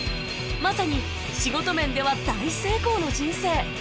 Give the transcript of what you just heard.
まさに仕事面では大成功の人生